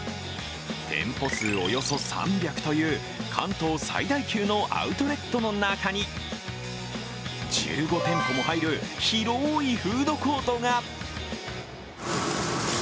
店舗数およそ３００という関東最大級のアウトレットの中に、１５店舗も入る広いフードコートが。